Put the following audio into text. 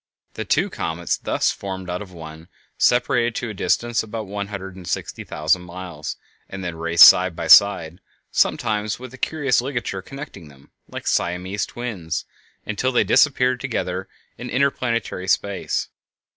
The two comets thus formed out of one separated to a distance of about one hundred and sixty thousand miles, and then raced side by side, sometimes with a curious ligature connecting them, like Siamese twins, until they disappeared together in interplanetary space.